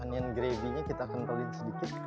onion gravy nya kita kentelin sedikit